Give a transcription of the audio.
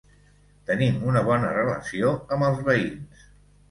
Tenim una bona relació amb els veïns.